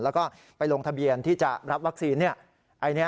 แล้วก็ไปลงทะเบียนที่จะรับวัคซีน